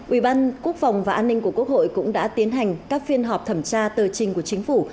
ủy ban quốc phòng và an ninh của quốc hội cũng đã tiến hành các phiên họp thẩm tra tờ trình của chính phủ